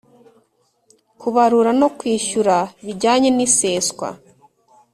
kubarura no kwishyura bijyanye n iseswa